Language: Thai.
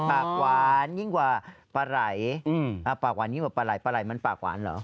ปากหวานยิ่งกว่าปลาไหลปากหวานยิ่งกว่าปลาไหลปลาไหล่มันปากหวานเหรอ